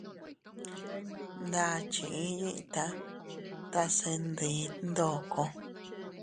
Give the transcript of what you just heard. Ndakchi iiyita tase ndiit ndoko.